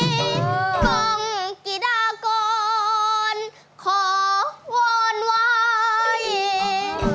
กล้องกิดากลขอวนไหว